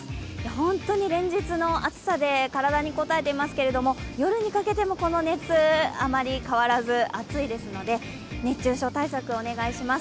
本当に連日の暑さで体にこたえていますけれども、夜にかけてもこの熱、あまり変わらず暑いですので、熱中症対策をお願いします。